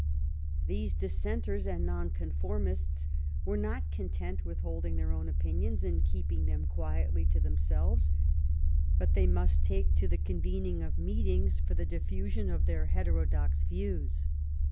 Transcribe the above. These Dissenters and Noncon formists were not content with holding their own opinions and keeping them quietly to themselves, but they must take to the convening of meetings for the diffusion of their heterodox views.